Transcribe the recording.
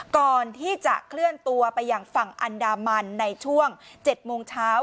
ก่อนที่จะเคลื่อนตัวไปอย่างฝั่งอันดามันในช่วง๗โมงเช้า